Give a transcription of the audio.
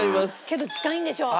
けど近いんでしょ？